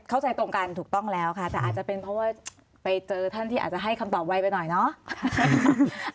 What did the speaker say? เข้าใจตรงกันถูกต้องแล้วค่ะแต่อาจจะเป็นเพราะว่าไปเจอท่านที่อาจจะให้คำตอบไวไปหน่อยเนาะ